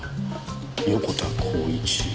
横田幸一。